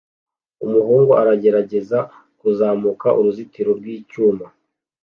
Umuhungu aragerageza kuzamuka uruzitiro rw'icyuma